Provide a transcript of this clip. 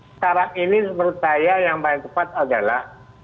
sekarang ini menurut saya yang paling tepat adalah